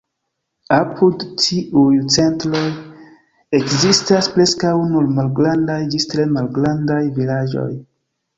Apud tiuj centroj ekzistas preskaŭ nur malgrandaj ĝis tre malgrandaj vilaĝoj.